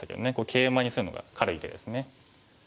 ケイマにするのが軽い手ですね。